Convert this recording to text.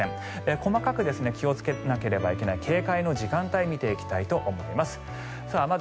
細かく気をつけなければいけない警戒の時間帯を見ていきたいと思います。